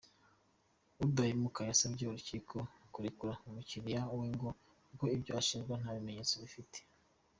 Udahemuka yasabye urukiko kurekura umukiriya we ngo kuko ibyo ashinjwa nta bimenyetso bifite.